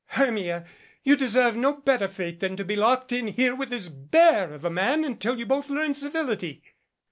Hermia, you deserve no better fate than to be locked in here with this bear of a man until you both learn civility."